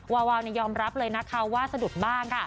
วาววาวยอมรับเลยว่าดูดบ้าง